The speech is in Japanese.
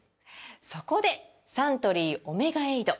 そこでサントリー「オメガエイド」！